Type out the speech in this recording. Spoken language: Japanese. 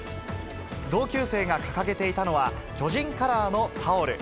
同級生が掲げていたのは、巨人カラーのタオル。